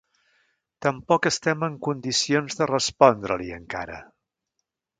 Tampoc estem en condicions de respondre-li, encara.